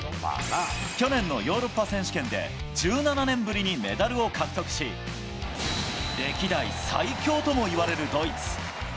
去年のヨーロッパ選手権で、１７年ぶりにメダルを獲得し、歴代最強ともいわれるドイツ。